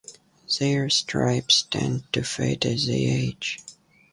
Their stripes tend to fade as they age.